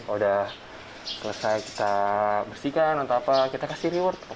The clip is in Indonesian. udah selesai kita bersihkan atau apa kita kasih reward